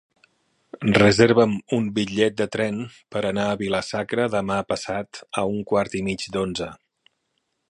Reserva'm un bitllet de tren per anar a Vila-sacra demà passat a un quart i mig d'onze.